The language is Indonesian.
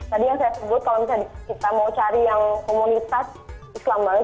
tadi yang saya sebut kalau misalnya kita mau cari yang komunitas islam banget